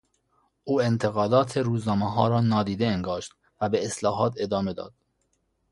او انتقادات روزنامهها را نادیده انگاشت و به اصلاحات ادامه داد.